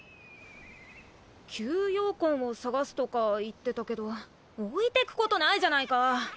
吸妖魂を探すとか言ってたけど置いていくことないじゃないか！